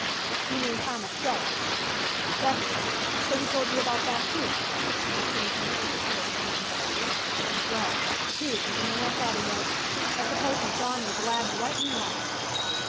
"You mean Tom Ostrello?" "That's it. So he told you about that, too," came from the secret service man bitterly. "Well, he isn't the man I thought he was. I suppose he has gone and blabbed right and left."